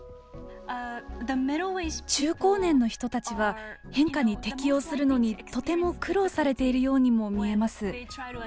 中高年の人たちは変化に適応するのにとても苦労されているようにも見えます。